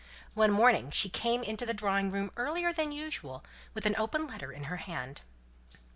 One morning she came into the drawing room earlier than usual, with an open letter in her hand.